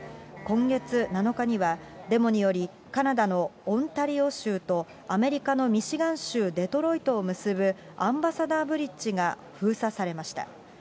今月７日には、デモにより、カナダのオンタリオ州と、アメリカのミシガン州デトロイトを結ぶ、アンバサダーブリッジが封鎖されました。